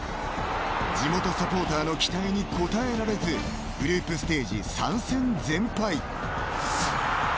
地元サポーターの期待に応えられずグループステージ３戦全敗。